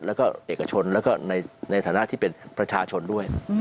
แล้วก็เอกชนแล้วก็ในฐานะที่เป็นประชาชนด้วย